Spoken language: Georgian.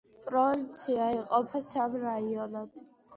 პროვინცია იყოფა სამ რაიონად.